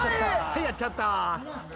やっちゃった。